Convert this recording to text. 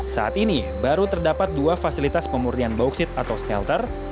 saat ini baru terdapat dua fasilitas pemurnian bauksit atau smelter